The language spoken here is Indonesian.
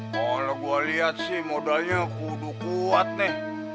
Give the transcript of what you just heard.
kalo gua liat sih modalnya kudu kuat nih